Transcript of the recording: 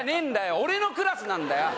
俺のクラスなんだよ